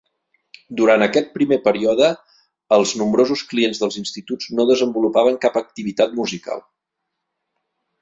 Durant aquest primer període, els nombrosos clients dels instituts no desenvolupaven cap activitat musical.